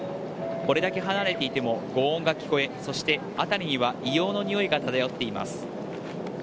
これだけ離れていても轟音が聞こえそして、辺りには硫黄のにおいが漂っています。